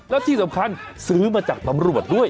แล้วที่สำคัญซื้อมาจากตำรวจด้วย